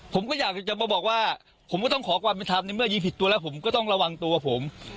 ผมก็อยากจะมาบอกว่าผมก็ต้องขอความเป็นธรรมในเมื่อยิงผิดตัวแล้วผมก็ต้องระวังตัวผม